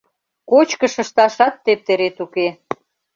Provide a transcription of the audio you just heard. Кочкыш ышташат тептерет уке!..